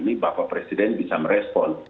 jadi bapak presiden bisa merespon